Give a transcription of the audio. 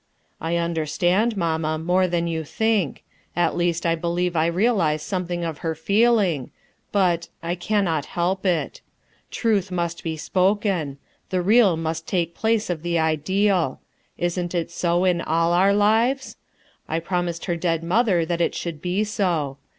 "I understand, mamma, more than you think; at least I believe I realize something of her feel ing; but— I cannot help it. Truth must he spoken ; the real must take the place of the ideal. Isn't it so in all our lives ? I promised her dead mother that it should be so.